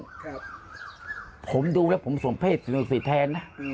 ครับผมดูแล้วผมส่วนเพศสินศักดิ์สิทธิ์แทนนะ